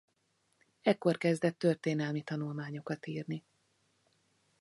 Ekkor kezdett történelmi tanulmányokat írni.